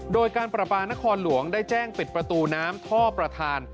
โดยการประปานครหลวงได้แจ้งปิดประตูน้ำท่อประธาน